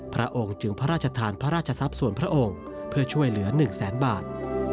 พระองค์จึงพระราชทานพระราชทรัพย์ส่วนพระองค์เพื่อช่วยเหลือ๑แสนบาท